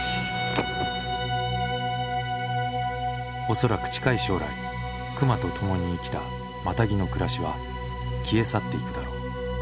恐らく近い将来熊と共に生きたマタギの暮らしは消え去っていくだろう。